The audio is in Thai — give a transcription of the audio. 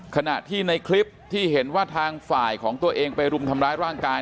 ขณะที่ในคลิปที่เห็นว่าทางฝ่ายของตัวเองไปรุมทำร้ายร่างกาย